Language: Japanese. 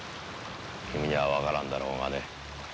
君には分からんだろうがね